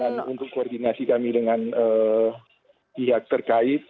dan untuk koordinasi kami dengan pihak terkait